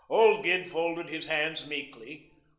Old Gid folded his hands meekly.